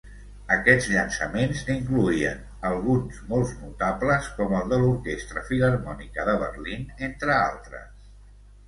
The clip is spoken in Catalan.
Aquests llançaments n'incloïen alguns molt notables com el de l'Orquestra Filharmònica de Berlín entre altres.